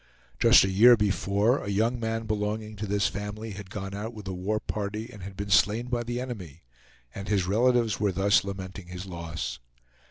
Just a year before, a young man belonging to this family had gone out with a war party and had been slain by the enemy, and his relatives were thus lamenting his loss.